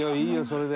それで。